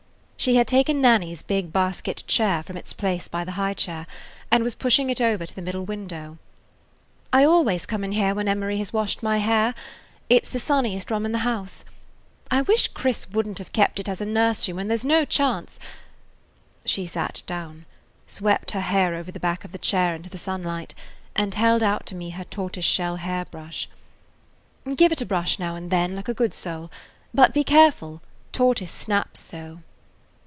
She had taken Nanny's big basket chair from its place by the high chair, and was pushing it over to the middle window. "I always come in here when Emery has washed my hair. It 's [Page 6] the sunniest room in the house. I wish Chris would n't have it kept as a nursery when there 's no chance–" She sat down, swept her hair over the back of the chair into the sunlight, and held out to me her tortoiseshell hair brush. "Give it a brush now and then, like a good soul; but be careful. Tortoise snaps so!"